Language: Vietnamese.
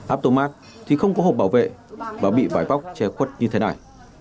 aptomark thì không có hộp bảo vệ và bị vải bóc che khuất như thế này